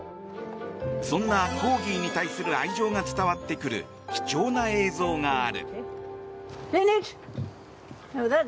そんなコーギーに対する愛情が伝わってくる貴重な映像がある。